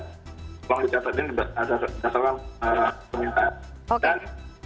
tahun tahun dicatat ini ini adalah permintaan